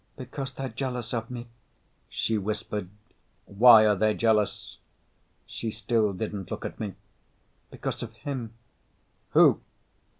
"Because they're jealous of me," she whispered. "Why are they jealous?" She still didn't look at me. "Because of him." "Who?"